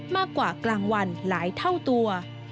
มากกว่ากลางวันหลายเท่าตัว